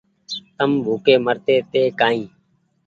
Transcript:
تم ڀوڪي مرتي تي ڪآئي